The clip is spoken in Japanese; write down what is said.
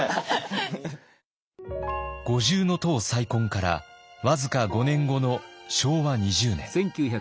五重塔再建から僅か５年後の昭和２０年。